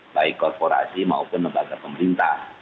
baik korporasi maupun lembaga pemerintah